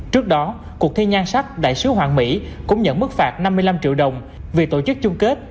trước đó cuộc thi nhan sắc đại sứ hoàng mỹ cũng nhận mức phạt năm mươi năm triệu đồng vì tổ chức chung kết